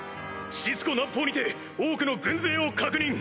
・シス湖南方にてオークの軍勢を確認！